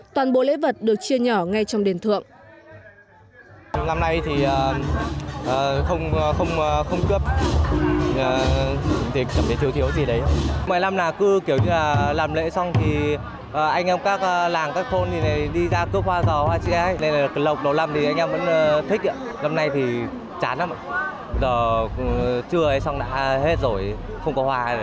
toàn bộ lễ vật được chia nhỏ ngay trong đền thượng